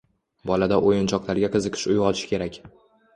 Bolada o‘yinchoqlarga qiziqish uyg‘otish kerak.